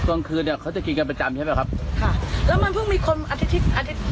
กลางคืนเนี้ยเขาจะกินกันประจำใช่ป่ะครับค่ะแล้วมันเพิ่งมีคนอาทิตย์อาทิตย์